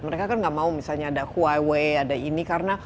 mereka kan nggak mau misalnya ada huawei ada ini karena